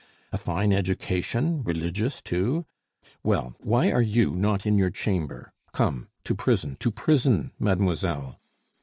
A fine education, religious, too! Well! why are you not in your chamber? Come, to prison, to prison, mademoiselle!"